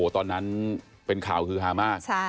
ตอนนั้นเป็นข่าวคือฮามาก